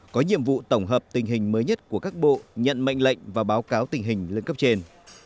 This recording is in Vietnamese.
có nhiệm vụ tổng hợp tình hình mới nhất của các bộ nhận mệnh lệnh và báo cáo tình hình lên cấp trên